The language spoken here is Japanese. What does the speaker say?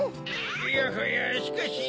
いやはやしかし。